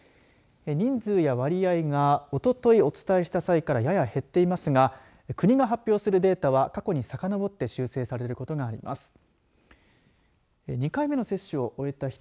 人数や割合がおととい、お伝えした際からやや減っていますが国が発表するデータは過去にさかのぼって修正されることがあります。